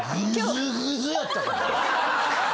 グズグズやった。